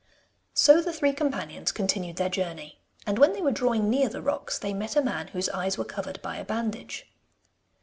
So the three companions continued their journey, and when they were drawing near the rocks they met a man whose eyes were covered by a bandage.